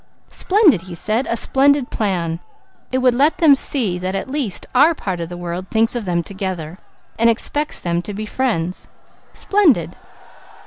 "Splendid!" he said. "A splendid plan! It would let them see that at least our part of the world thinks of them together, and expects them to be friends. Splendid!"